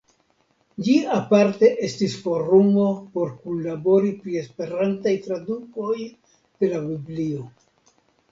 Ĝi aparte estis forumo por kunlabori pri Esperantaj tradukoj de la Biblio.